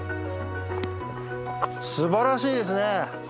すばらしいですね。